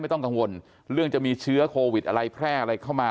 ต้องกังวลเรื่องจะมีเชื้อโควิดอะไรแพร่อะไรเข้ามา